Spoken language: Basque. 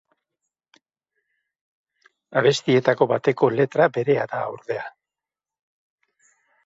Abestietako bateko letra berea da, ordea.